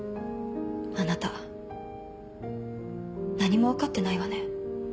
あなた何も分かってないわね。